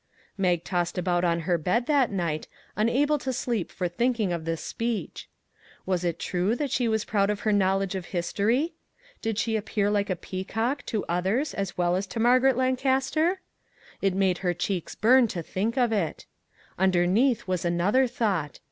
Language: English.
Mag tossed about on her bed that night, un able to sleep for thinking of this speech. Was it true that she was proud of her knowledge of history? Did she appear like a "peacock" to others as well as to Margaret Lancaster? It made her cheeks burn to think of it. Under neath was another thought.